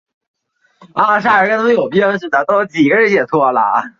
上层每面均塑有千佛或菩萨。